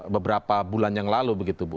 beberapa bulan yang lalu begitu bu